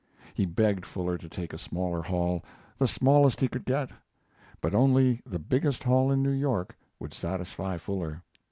He begged Fuller to take a smaller hall, the smallest he could get. But only the biggest hall in New York would satisfy Fuller.